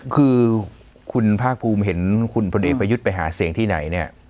คือคุณภาคภูมิเห็นคุณพลเอกประยุทธ์ไปหาเสียงที่ไหนเนี่ย